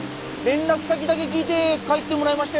連絡先だけ聞いて帰ってもらいましたよ。